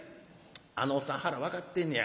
「あのおっさん腹分かってんね